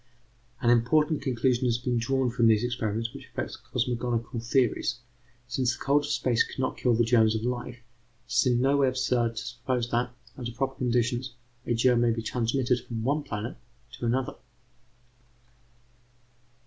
An important conclusion has been drawn from these experiments which affects cosmogonical theories: since the cold of space could not kill the germs of life, it is in no way absurd to suppose that, under proper conditions, a germ may be transmitted from one planet to another.